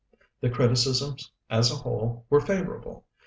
"The criticisms, as a whole, were favorable.